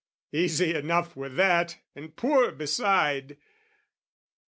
Easy enough were that, and poor beside!